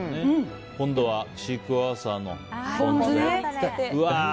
今度はシークヮーサーのポン酢で。